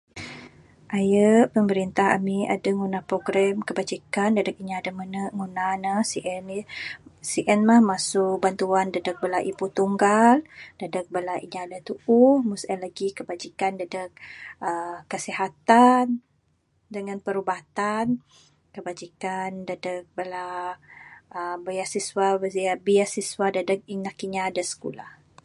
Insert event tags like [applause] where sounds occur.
[noise] Aye pemerintah ami' aduh ngundah program kebajikan dadeg inya da menu nguna ne sien, Sien mah masu bantuan dadeg bala ibu tunggal, dadeg bala inya da tu'uh. Mung sien lagi' kebajikan dadeg uhh kesihatan dengan perubatan. Kebajikan dadeg bala uhh biasiswa biasiswa dadeg anak kinya da sikulah.